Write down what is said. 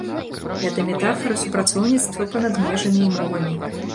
Гэта метафара супрацоўніцтва па-над межамі і мовамі.